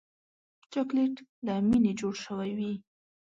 چاکلېټ له مینې جوړ شوی وي.